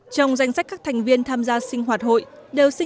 trong danh sách các thành viên tham gia sinh hoạt hội